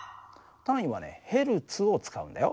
単位はねＨｚを使うんだよ。